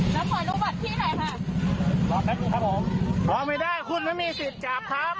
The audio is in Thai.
แล้วขอรู้บัตรพี่ไหนค่ะครับผมรอไม่ได้คุณไม่มีสิทธิ์จับครับ